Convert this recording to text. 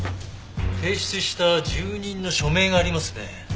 提出した住人の署名がありますね。